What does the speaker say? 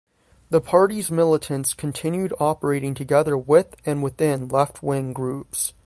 The party's militants continued operating together with and within left-wing groups.